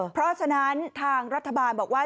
เพราะฉะนั้นทางรัฐบาลบอกว่า